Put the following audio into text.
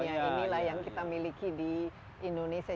iya inilah yang kita miliki di indonesia